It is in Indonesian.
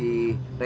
rela kandia pergi